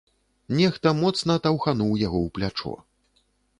Нехта моцна таўхануў яго ў плячо.